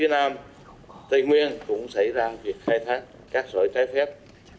nguyên cũng xảy ra việc khai thác cát sòi trái phép